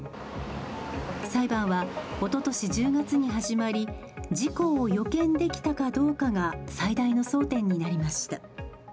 裁判はおととし１０月に始まり事故を予見できたかどうかが最大の争点になりました。